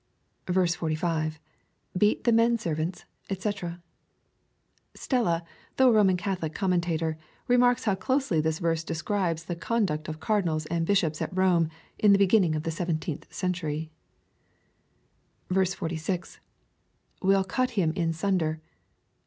45. — [Beat the menservantSj (he] Stella, though a Roman Catholic commentator, remarks how closely this verse describes the con duct of Cardinals and Bishops at Rome in the beginning of the 17th century. 46. —[ WiU cut him in sunder.